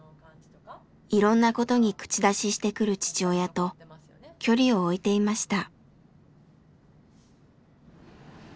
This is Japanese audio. いろんなことに口出ししてくる父親と距離を置いていました。